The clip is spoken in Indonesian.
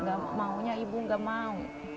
gak maunya ibu nggak mau